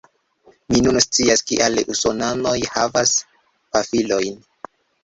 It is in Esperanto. Mi nun scias kial usonanoj havas pafilojn